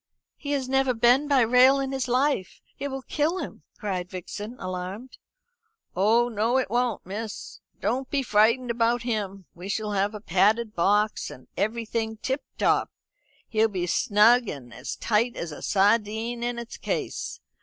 "He has never been by rail in his life. It will kill him!" cried Vixen, alarmed. "Oh no it won't, miss. Don't be frightened about him. We shall have a padded box, and everything tip top. He'll be as snug and as tight as a sardine in its case.